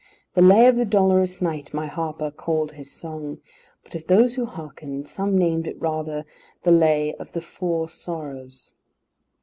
The Lay of the Dolorous Knight, my harper called his song, but of those who hearkened, some named it rather, The Lay of the Four Sorrows.